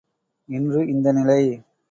இன்று இந்த நிலை!